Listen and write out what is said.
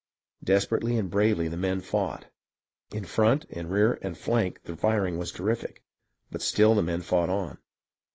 Desperately and bravely the men fought. In front and rear and flank the firing was terrific, but still the men fought on.